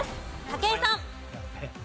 武井さん。